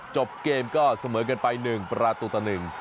จบเกมก็เสมอกันไป๑ประราชตุตนึง